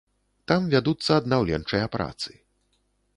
Там вядуцца аднаўленчыя працы.